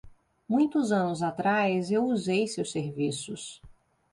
Muitos anos atrás eu usei seus serviços.